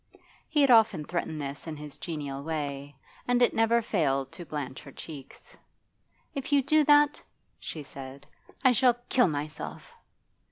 He had often threatened this in his genial way, and it never failed to blanch her cheeks. 'If you do that,' she said, 'I shall kill myself.